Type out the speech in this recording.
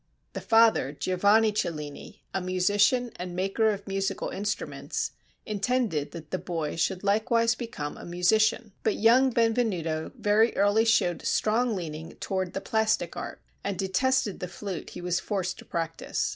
The father, Giovanni Cellini, a musician and maker of musical instruments, intended that the boy should likewise become a musician; but young Benvenuto very early showed strong leaning toward the plastic art, and detested the flute he was forced to practice.